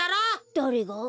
だれが？